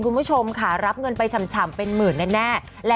คุณผู้ชมค่ะรับเงินไปฉ่ำเป็นหมื่นแน่